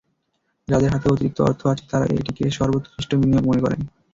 যাঁদের হাতে অতিরিক্ত অর্থ আছে, তাঁরা এটিকে সর্বোৎকৃষ্ট বিনিয়োগ মনে করেন।